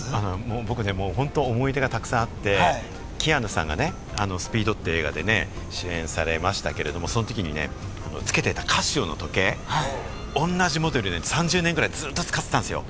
僕、本当に思い出がたくさんあって、キアヌさんが『スピード』って映画でね、主演されましたけれど、そのときにつけてたカシオの時計、同じモデルのやつ、３０年ぐらいずっと使ってたんですよ。